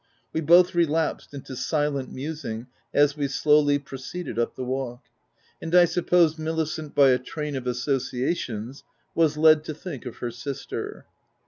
We both relapsed into silent musing as we slowly proceded up the walk ; and I suppose Milicent by a train of associations was led to think of her sister.